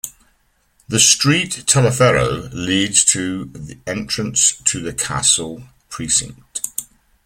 The street "Tallaferro" leads to the entrance to the Castle precinct.